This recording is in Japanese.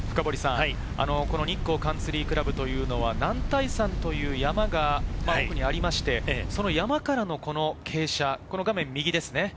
日光カンツリー倶楽部というのは男体山という山が奥にありまして、山からの傾斜、画面右です。